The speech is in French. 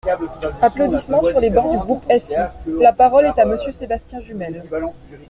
(Applaudissements sur les bancs du groupe FI.) La parole est à Monsieur Sébastien Jumel.